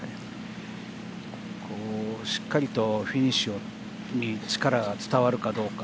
しっかりとフィニッシュに力が伝わるかどうか。